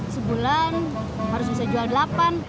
sebulan harus bisa jual delapan